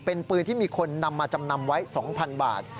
เป็นปืนที่มีคนนำมาจำนำไว้๒๐๐๐บาท